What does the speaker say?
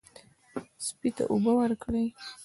سپي ته اوبه ورکړئ.